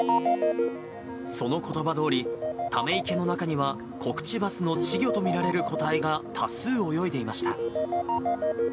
そのことばどおり、ため池の中にはコクチバスの稚魚と見られる個体が多数泳いでいました。